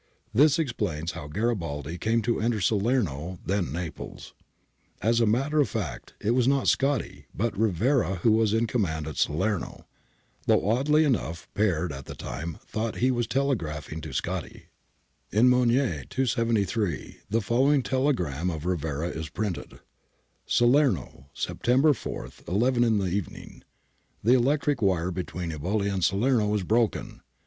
This explains how Garibaldi came to enter Salerno and then Naples.' As a matter of fact it was not Scotti but Rivera who was in command at Salerno, though oddly enough Peard at the time thought that he was telegraphing to Scotti (see Peard's Journal). 22 * 340 APPENDIX H In Mounter (273) the following telegram of Rivera is printed :—' Salerno. September 4, 1 1 in the evening. The electric wire between Eboli and Salerno is broken.